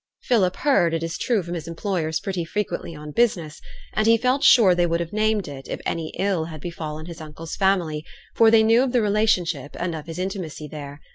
Philip heard, it is true, from his employers pretty frequently on business; and he felt sure they would have named it, if any ill had befallen his uncle's family, for they knew of the relationship and of his intimacy there.